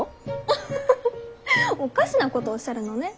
アハハハハ！おかしなことおっしゃるのね。